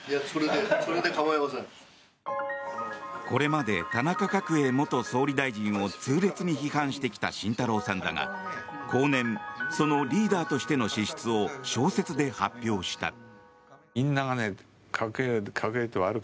これまで田中角栄元総理大臣を痛烈に批判してきた慎太郎さんだが後年そのリーダーとしての資質を小説で発表した。